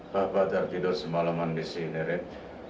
bapak sudah tidur semalam di sini red